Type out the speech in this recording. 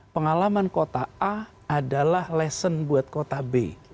pengalaman kota a adalah lesson buat kota b